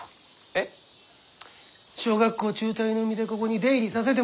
えっ？小学校中退の身でここに出入りさせてもらっている。